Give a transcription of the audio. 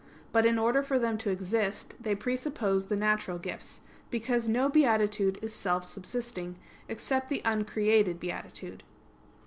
But in order for them to exist, they presuppose the natural gifts; because no beatitude is self subsisting, except the uncreated beatitude.